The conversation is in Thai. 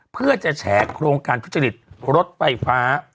เพื่อจะแฉโครงการทุจริตรถไฟฟ้า